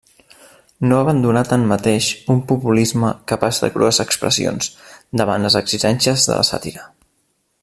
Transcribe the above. No abandonà tanmateix un populisme capaç de crues expressions, davant les exigències de la sàtira.